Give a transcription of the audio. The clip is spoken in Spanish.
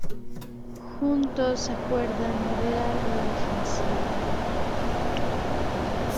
Juntos acuerdan liderar la ofensiva.